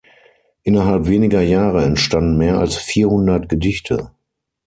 Innerhalb weniger Jahre entstanden mehr als vierhundert Gedichte.